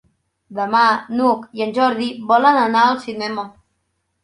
Demà n'Hug i en Jordi volen anar al cinema.